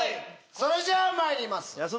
それじゃあまいります。